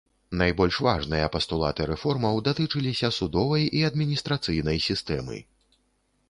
Найбольш важныя пастулаты рэформаў датычыліся судовай і адміністрацыйнай сістэмы.